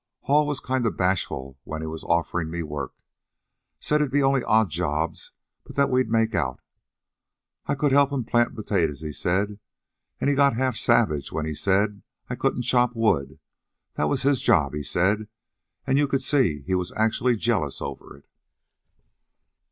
Hall was kind of bashful when he was offerin' me work. Said it'd be only odd jobs, but that we'd make out. I could help'm plant potatoes, he said; an' he got half savage when he said I couldn't chop wood. That was his job, he said; an' you could see he was actually jealous over it."